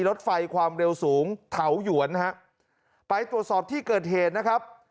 รถไฟความเร็วสูงเถาหยวนฮะไปตรวจสอบที่เกิดเหตุนะครับ